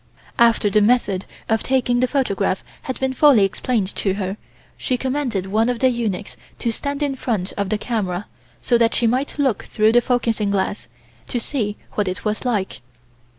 After the method of taking the photograph had been fully explained to her, she commanded one of the eunuchs to stand in front of the camera so that she might look through the focusing glass, to see what it was like.